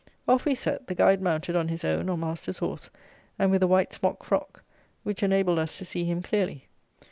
Off we set, the guide mounted on his own or master's horse, and with a white smock frock, which enabled us to see him clearly.